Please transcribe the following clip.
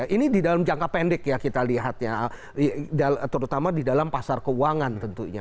ini di dalam jangka pendek ya kita lihat ya terutama di dalam pasar keuangan tentunya